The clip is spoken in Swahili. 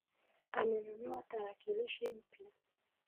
Amenunua tarakilishi mpya